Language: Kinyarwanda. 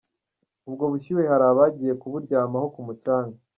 Ubwo bushyuhe hari abagiye kuburyamaho ku mucanga.